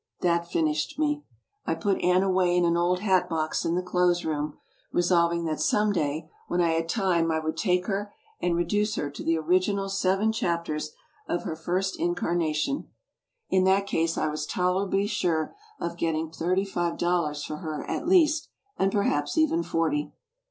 That finished me. I put Anne away in an old hat box in the clothes room, resolving that some day when I had time I would take her and reduce her to the original seven chap i«i b, Google ters of her first incarnation. In that case I was tolerably sure of getting thirty five dollan for her at least, and perhaps even forty.